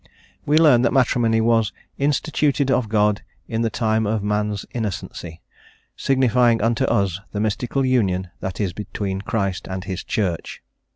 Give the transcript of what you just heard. We learn that matrimony was "instituted of God in the time of man's innocency, signifying unto us the mystical union that is between Christ and his Church."